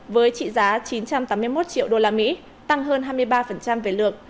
với trị giá chín trăm tám mươi một triệu usd tăng hơn hai mươi ba về lượng